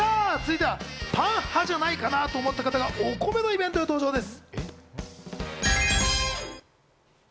続いては、パン派じゃないかなと思った名前のこのコンビがお米のイベントに登場です。